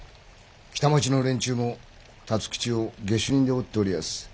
北町の連中も辰吉を下手人で追っておりやす。